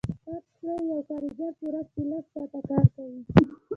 فرض کړئ یو کارګر په ورځ کې لس ساعته کار کوي